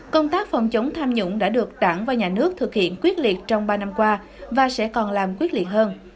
công tác phòng chống tham nhũng đã được đảng và nhà nước thực hiện quyết liệt trong ba năm qua và sẽ còn làm quyết liệt hơn